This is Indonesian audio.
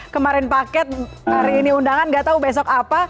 kemarin paket hari ini undangan nggak tahu besok apa